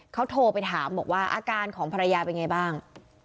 เขาโทรไปถามบอกว่าอาการของภรรยาเป็นไงบ้าง